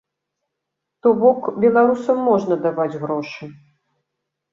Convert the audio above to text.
То бок, беларусам можна даваць грошы.